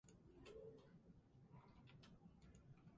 However, this would require a new pitcher for the next half-inning.